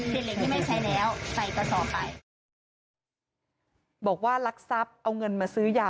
บูรค่าความเสียหายเป็น๕แสนบาทได้อะค่ะ